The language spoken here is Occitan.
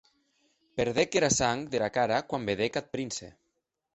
Perdec era sang dera cara quan vedec ath prince.